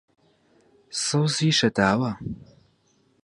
سەوزی شەتاوە